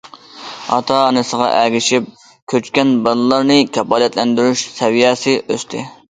ئاتا- ئانىسىغا ئەگىشىپ كۆچكەن بالىلارنى كاپالەتلەندۈرۈش سەۋىيەسى ئۆستى.